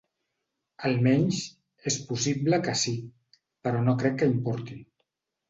Almenys, és possible que sí, però no crec que importi.